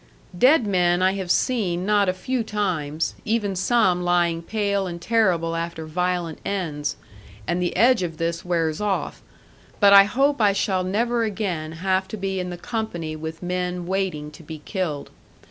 Dead men I have seen not a few times, even some lying pale and terrible after violent ends, and the edge of this wears off; but I hope I shall never again have to be in the company with men waiting to be killed.